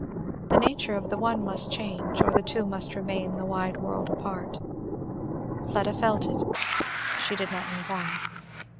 The nature of the one must change or the two must remain the world wide apart. Fleda felt it, she did not know why.